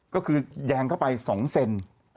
ก็คือแยงเข้าไป๒เซน